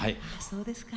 そうですか。